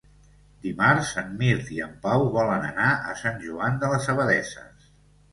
Dimarts en Mirt i en Pau volen anar a Sant Joan de les Abadesses.